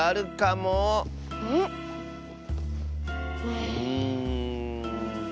うん。